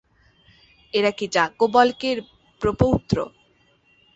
এরা কি যাজ্ঞবল্ক্যের প্রপৌত্র?